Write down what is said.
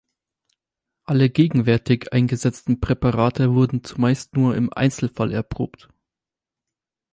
Alle gegenwärtig eingesetzten Präparate wurden zumeist nur im Einzelfall erprobt.